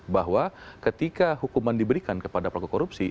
bahwa ketika hukuman diberikan kepada pelaku korupsi